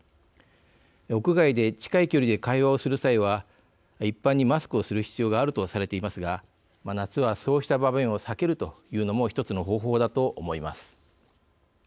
屋外で近い距離で会話をする際は一般にマスクをする必要があるとされていますが夏はそうした場面を避けるというのも一つの方法だと思います。